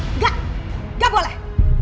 enggak enggak boleh